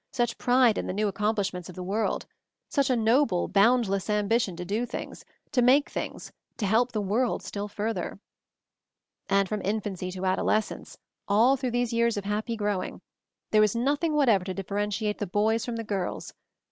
Such pride in the new accom plishments of the world! Such a noble, boundless ambition to do things, to make things, to help the world still further. And from infancy to adolescence — all through these years of happy growing — there was nothing whatever to differentiate the boys from the girls!